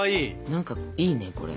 何かいいねこれ。